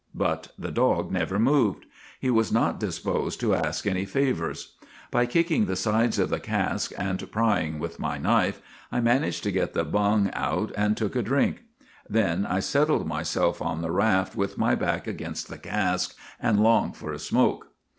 But the dog never moved. He was not disposed to ask any favors. By kicking the sides of the cask and prying with my knife, I man aged to get the bung out and took a drink. Then GULLIVER THE GREAT 15 I settled myself on the raft with my back against the cask, and longed for a smoke.